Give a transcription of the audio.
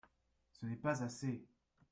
Ce n’est pas assez.